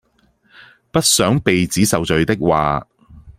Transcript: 不想鼻子受罪的話